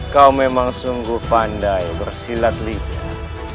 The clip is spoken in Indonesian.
kau memang sungguh pandai bersilat liga